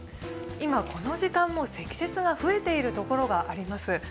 今、この時間も積雪が増えている所があります。